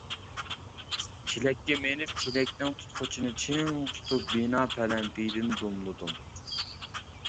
چېلەككە مىنىپ، چېلەكنىڭ تۇتقۇچىنى چىڭ تۇتۇپ، بىنا پەلەمپىيىدىن دومىلىدىم.